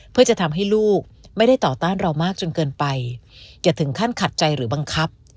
เพื่อจะทำให้ลูกไม่ได้ต่อต้านเรามากจนเกินไปอย่าถึงขั้นขัดใจหรือบังคับ